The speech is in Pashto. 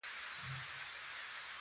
پر درې بجې له کوره راووتلو.